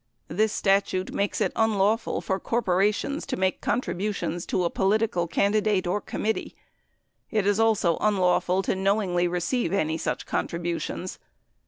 This statute makes it unlawful for corporations to make contributions to a political candi date or committee. It is also unlawful to knowingly receive any such contributions.